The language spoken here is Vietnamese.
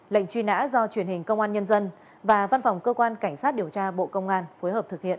lệnh truy nã do truyền hình công an nhân dân và văn phòng cơ quan cảnh sát điều tra bộ công an phối hợp thực hiện